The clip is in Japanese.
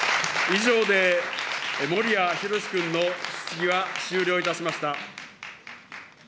以上で、森屋宏君の質疑は終了いたしました。